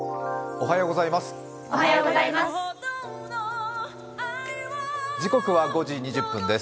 おはようございます。